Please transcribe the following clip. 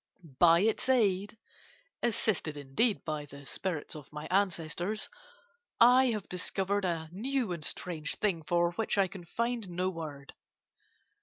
By its aid (assisted, indeed, by the spirits of my ancestors) I have discovered a new and strange thing, for which I can find no word.